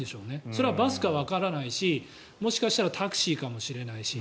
それはバスかわからないしもしかしたらタクシーかもしれないし